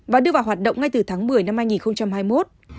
và đưa vào hoạt động ngay từ tháng một mươi năm hai nghìn hai mươi một